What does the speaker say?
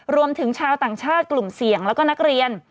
รวมถึงชาวต่างชาติกลุ่มเสี่ยงแล้วก็นักเรียน